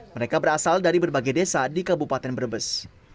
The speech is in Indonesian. mereka berasal dari berbagai desa di kabupaten brebes